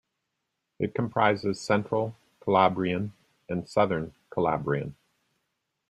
It comprises Central Calabrian and Southern Calabrian.